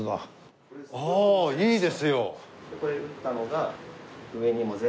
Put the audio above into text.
いいですよ！